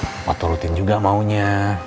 papa turutin juga maunya